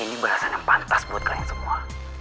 ini bahasan yang pantas buat kalian semua